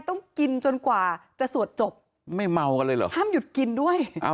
ต้องกินจนกว่าจะสวดจบไม่เมากันเลยเหรอห้ามหยุดกินด้วย